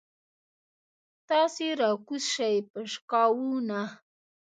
تاسې راکوز شئ پشکاوونه.